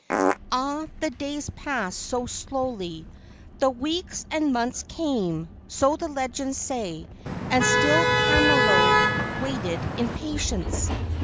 Ah, the days passed by so slowly! The weeks and the months came, so the legends say, and still Kamalo waited in patience.